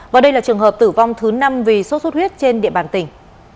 và đây là trường hợp tử vong thứ năm vì sốt xuất huyết trên địa bàn tỉnh